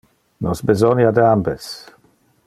Nos besonia de ambes.